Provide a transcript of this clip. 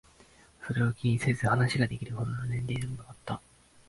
それを気にせず話ができるほどの年齢でもなかった。